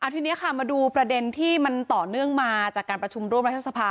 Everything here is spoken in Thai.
ทีนี้ค่ะมาดูประเด็นที่มันต่อเนื่องมาจากการประชุมร่วมรัฐสภา